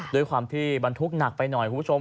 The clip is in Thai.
ด้วยความที่บรรทุกหนักไปหน่อยคุณผู้ชม